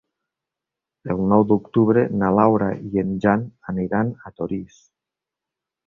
El nou d'octubre na Laura i en Jan aniran a Torís.